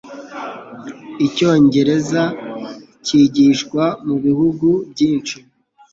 Icyongereza cyigishwa mubihugu byinshi.